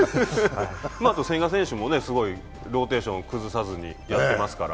あと千賀選手もすごいローテーションを崩さずに頑張ってやってますから。